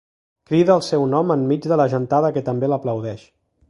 Crida el seu nom enmig de la gentada que també l'aplaudeix.